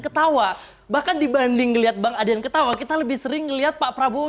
ketawa bahkan dibanding lihat bang adian ketawa kita lebih sering lihat pak prabowo